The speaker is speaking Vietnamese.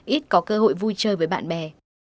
ít có cơ hội vui chơi với bạn bè